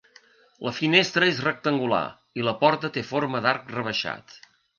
La finestra és rectangular i la porta té forma d'arc rebaixat.